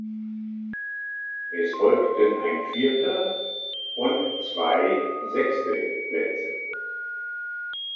Es folgten ein vierter und zwei sechste Plätze.